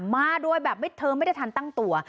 มาโดยแบบเธอไม่ได้ทันตั้งตัว